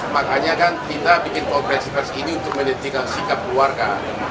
makanya kan kita bikin progresif ini untuk menentikan sikap keluarga